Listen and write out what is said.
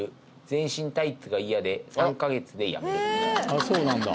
あそうなんだ